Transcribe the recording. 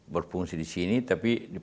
berfungsi disini tapi